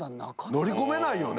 乗り込めないよね。